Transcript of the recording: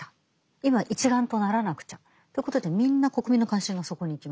今一丸とならなくちゃということでみんな国民の関心がそこに行きます。